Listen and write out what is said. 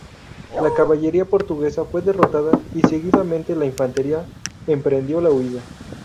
La caballería portuguesa fue derrotada y seguidamente la infantería emprendió la huida.